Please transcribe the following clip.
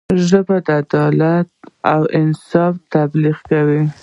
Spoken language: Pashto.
ژبه د عدل او انصاف تبلیغ کوي